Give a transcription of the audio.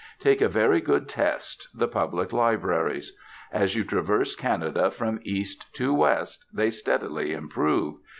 Take a very good test, the public libraries. As you traverse Canada from east to west they steadily improve.